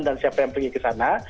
dan siapa yang pergi ke sana